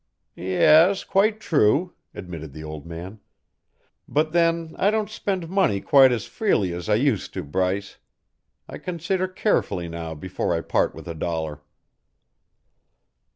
"Yes, quite true," admitted the old man. "But then, I don't spend money quite as freely as I used to, Bryce. I consider carefully now before I part with a dollar."